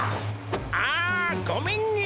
ああごめんね